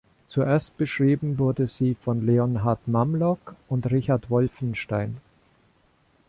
Zuerst beschrieben wurde sie von Leonhard Mamlock und Richard Wolffenstein.